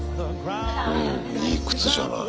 うんいい靴じゃない。